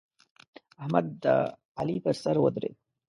احمد د علي پر سر ودرېد.